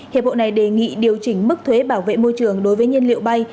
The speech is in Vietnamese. hiệp hội này đề nghị điều chỉnh mức thuế bảo vệ môi trường đối với nhiên liệu bay